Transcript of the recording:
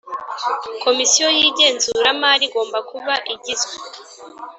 Komisiyo y igenzuramari igomba kuba igizwe